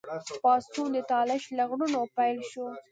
پاڅون د طالش له غرونو پیل شو.